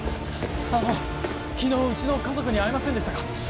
あの昨日うちの家族に会いませんでしたか？